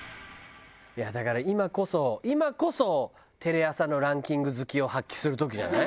いやだから今こそ今こそテレ朝のランキング好きを発揮する時じゃない？